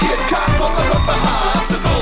มันไม่ใช่รถปุ๋งมันก็มันนมหาสนุก